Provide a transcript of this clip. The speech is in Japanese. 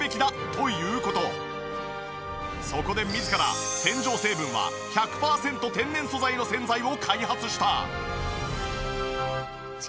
そこで自ら洗浄成分は１００パーセント天然素材の洗剤を開発した。